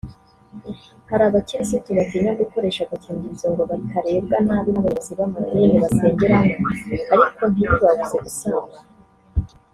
Hari abakirisitu batinya gukoresha agakingirizo ngo batarebwa nabi n’abayobozi b’amadini basengeramo ariko ntibibabuze gusambana